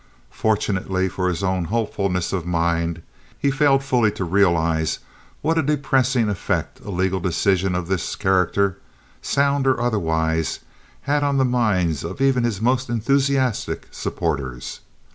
Fortunately for his own hopefulness of mind, he failed fully to realize what a depressing effect a legal decision of this character, sound or otherwise, had on the minds of even his most enthusiastic supporters.